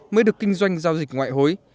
mới được kinh doanh giao dịch ngoại hối